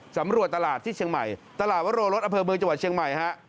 สำรวจตลาดที่เชียงใหม่ตลาดวโรรสอำเภอเมืองจังหวัดเชียงใหม่ฮะ